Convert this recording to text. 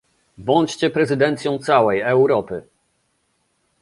Bądźcie prezydencją całej Europy!